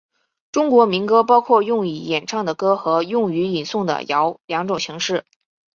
中国民歌包括用以演唱的歌和用于吟诵的谣两种形式。